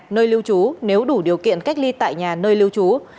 nơi lưu trú nếu đủ điều kiện cách ly tại nhà nơi lưu trú